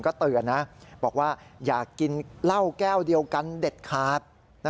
ก็เตือนนะบอกว่าอยากกินเหล้าแก้วเดียวกันเด็ดขาด